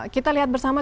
kita lihat bersama